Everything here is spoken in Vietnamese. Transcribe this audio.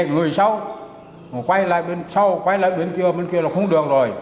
người xấu quay lại bên sau quay lại bên kia bên kia là không được rồi